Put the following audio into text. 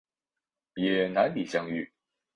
也难以相遇